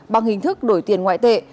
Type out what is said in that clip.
bằng hình thức đổi tiền ngoại tệ